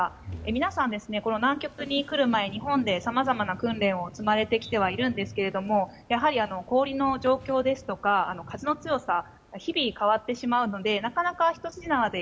皆さん、この南極に来る前に日本でさまざまな訓練を積まれてきてはいるんですけどやはり氷の状況ですとか風の強さは日々、変わってしまうのでなかなか一筋縄では